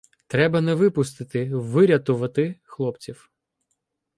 Треба не випустити, вирятувати хлопців.